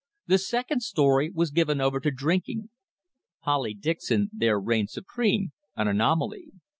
The second story was given over to drinking. Polly Dickson there reigned supreme, an anomaly.